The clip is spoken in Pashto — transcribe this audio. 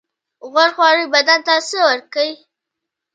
غوړ خواړه بدن ته څه ورکوي؟